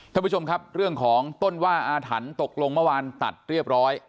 ท่านผู้ชมครับเรื่องของต้นว่าอาถรรพ์ตกลงเมื่อวานตัดเรียบร้อย